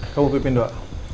kamu pimpin doa